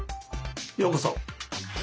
ようこそ。